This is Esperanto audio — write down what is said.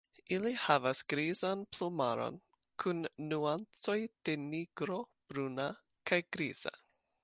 Ili havas grizan plumaron kun nuancoj de nigro, bruna kaj griza.